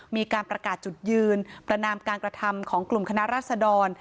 มีการประกาศจุดยืนประนามการกระทำของกลุ่มคณะรัศดร